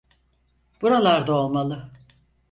Buralarda olmalı.